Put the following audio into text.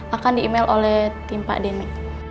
akan di email oleh timpa denny